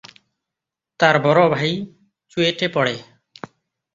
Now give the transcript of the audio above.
তার বড় ভাই চুয়েটে পড়ে।